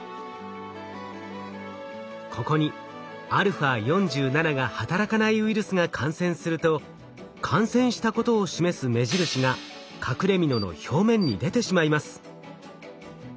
ここにα４７が働かないウイルスが感染すると感染したことを示す目印が隠れみのの表面に出てしまいます。